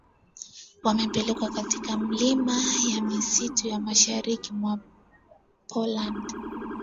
wamepelekwa katika milima ya msituni ya mashariki mwa Poland